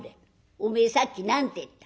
「お前さっき何て言った？